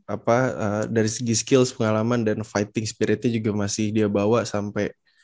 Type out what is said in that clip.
apa dari segi skills pengalaman dan fighting spiritnya juga masih dia bawa sampai